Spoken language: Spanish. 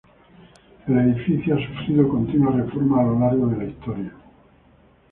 El edificio ha sufrido continuas reformas a lo largo de la historia.